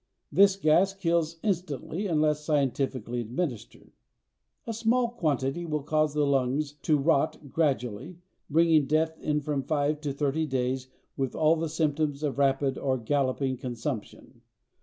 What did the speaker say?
This gas kills instantly unless scientifically administered. A small quantity will cause the lungs to "rot" gradually bringing death in from five to thirty days with all the symptoms of rapid or "galloping" consumption.